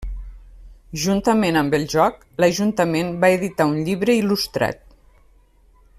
Juntament amb el joc, l'ajuntament va editar un llibre il·lustrat.